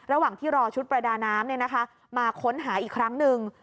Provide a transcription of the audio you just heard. ระหว่างที่รอชุดประดาน้ำมาค้นหาอีกครั้งหนึ่ง